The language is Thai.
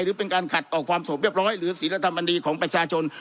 หรือเป็นการขัดต่อความสบเรียบร้อยหรือศิลธรรมดีของประชาชน